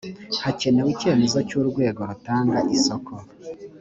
hakenewe icyemezo cy’urwego rutanga isoko